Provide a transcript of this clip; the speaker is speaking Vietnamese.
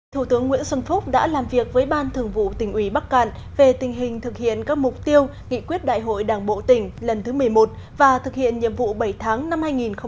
thủ tướng nguyễn xuân phúc đã làm việc với ban thường vụ tỉnh ủy bắc cạn về tình hình thực hiện các mục tiêu nghị quyết đại hội đảng bộ tỉnh lần thứ một mươi một và thực hiện nhiệm vụ bảy tháng năm hai nghìn một mươi chín